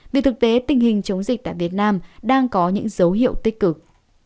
vì thực tế tình hình chống dịch tại việt nam đang có những dấu hiệu tích cực